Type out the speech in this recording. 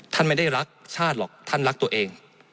ท่านไม่ได้รักชาติหรอกท่านรักตัวเอง